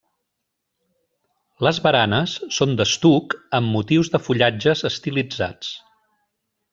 Les baranes són d'estuc amb motius de fullatges estilitzats.